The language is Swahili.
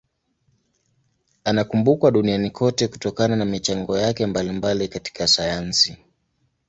Anakumbukwa duniani kote kutokana na michango yake mbalimbali katika sayansi.